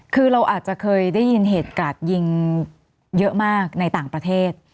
คือเราอาจจะเคยได้ยินเหตุการณ์ยิงเยอะมากในต่างประเทศ